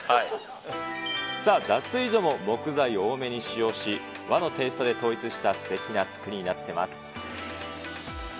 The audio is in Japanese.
脱衣所も木材を多めに使用し、和のテーストで統一したすてきな造りになってます。